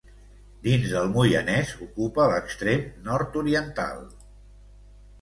Dins del Moianès, ocupa l'extrem nord-oriental.